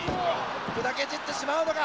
砕け散ってしまうのか？